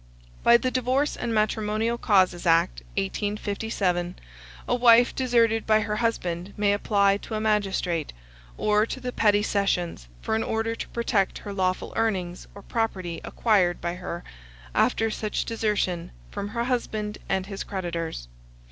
By the Divorce and Matrimonial Causes Act, 1857, a wife deserted by her husband may apply to a magistrate, or to the petty sessions, for an order to protect her lawful earnings or property acquired by her after such desertion, from her husband and his creditors.